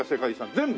全部？